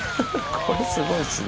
これ、すごいっすね。